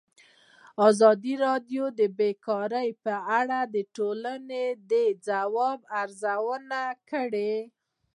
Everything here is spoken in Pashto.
ازادي راډیو د بیکاري په اړه د ټولنې د ځواب ارزونه کړې.